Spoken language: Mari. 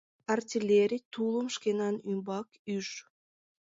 Артиллерий тулым шкенан ӱмбак ӱж.